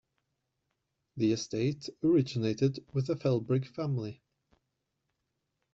The estate originated with the Felbrigg family.